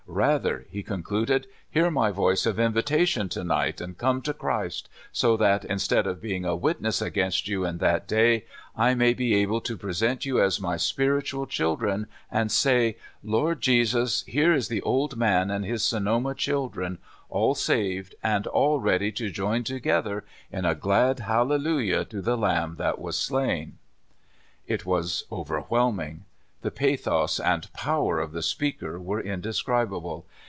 Kather," he continued, "hear my voice of invitation to night, and come to Christ, so that instead of being a witness against you in that day, I may be able to present you as my spiritual children, and say, Lord Jesus, here is the old man, and his Son(jma children, all saved, and all ready to join together in a glad hallelujah to the Lamb that was slain !" SQ Father Cox. It waa overwhelmiDg. The pathos and power of the speaker were indescribable.